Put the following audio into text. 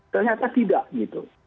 ternyata tidak gitu